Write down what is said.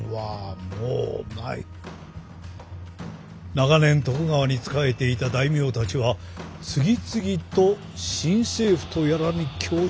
長年徳川に仕えていた大名たちは次々と新政府とやらに恭順した。